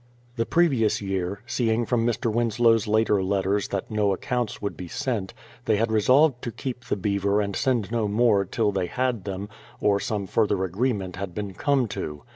The previous year, seeing from Mr. Winslow's later letters that no accounts would be sent, they had resolved to keep the beaver and send no more till they had them, or some further agreement had been come to.